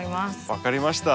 分かりました。